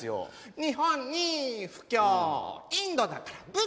「日本に布教インドだから仏教」